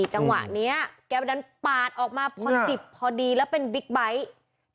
จังหวะนี้แกไปดันปาดออกมาพอดิบพอดีแล้วเป็นบิ๊กไบท์